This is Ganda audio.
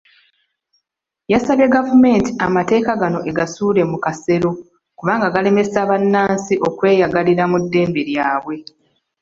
Yasabye gavumenti amateeka gano egasuule mu kasero kubanga galemesa bannansi okweyagalira mu ddembe lyabwe.